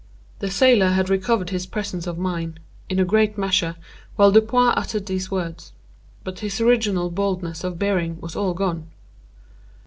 The sailor had recovered his presence of mind, in a great measure, while Dupin uttered these words; but his original boldness of bearing was all gone.